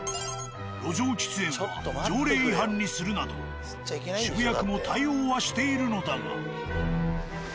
路上喫煙は条例違反にするなど渋谷区も対応はしているのだが。